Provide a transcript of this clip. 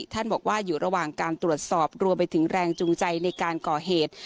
ท่านบอกว่าอยู่ระหว่างการตรวจสอบรวมไปถึงแรงจูงใจในการก่อเหตุ